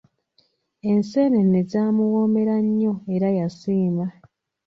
Enseenene zaamuwoomera nnyo era yasiima.